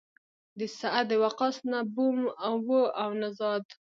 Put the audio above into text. د سعد وقاص نه بوم و او نه زاد.